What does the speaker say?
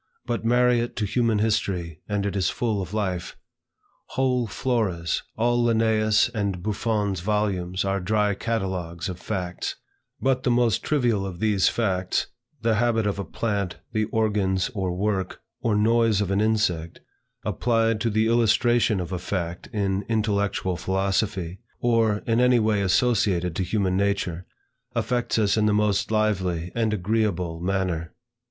But marry it to human history, and it is full of life. Whole Floras, all Linnaeus' and Buffon's volumes, are dry catalogues of facts; but the most trivial of these facts, the habit of a plant, the organs, or work, or noise of an insect, applied to the illustration of a fact in intellectual philosophy, or, in any way associated to human nature, affects us in the most lively and agreeable manner.